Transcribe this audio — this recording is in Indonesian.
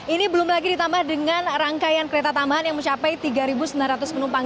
ini belum lagi ditambah dengan rangkaian kereta tambahan yang mencapai tiga sembilan ratus penumpang